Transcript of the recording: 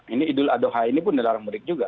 ini idul adha ini pun dilarang mudik juga